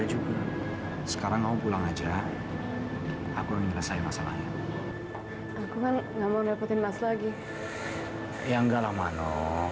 justru aku terima kasih sama kamu